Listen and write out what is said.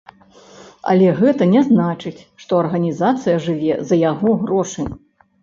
Але гэта не значыць, што арганізацыя жыве за яго грошы.